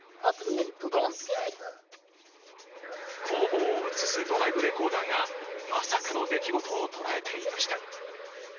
後方を映すドライブレコーダーがまさかの出来事を捉えていました。